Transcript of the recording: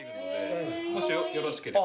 もしよろしければ。